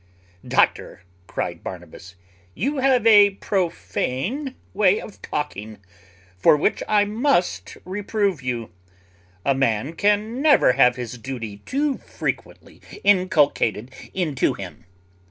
"Doctor," cried Barnabas, "you have a prophane way of talking, for which I must reprove you. A man can never have his duty too frequently inculcated into him.